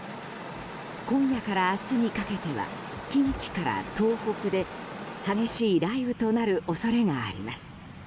今夜から明日にかけては近畿から東北で激しい雷雨となる恐れがあります。